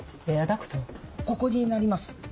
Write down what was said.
ここになります。